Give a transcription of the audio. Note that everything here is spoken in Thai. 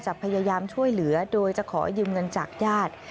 พยายามช่วยเหลือโดยจะขอยืมเงินจากญาติ